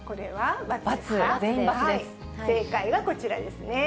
正解はこちらですね。